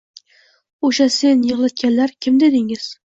Usha seni yiglatganlar “kim dedingiz”